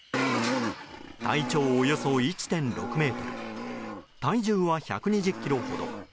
体長およそ１．６ｍ体重は１２０ｋｇほど。